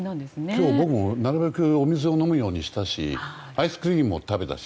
今日、僕もなるべくお水を飲むようにしたしアイスクリームも食べたし。